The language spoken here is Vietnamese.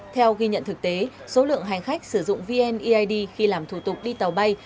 theo ghi nhận thực tế số lượng hành khách sử dụng vneid khi làm thủ tục đi tàu bay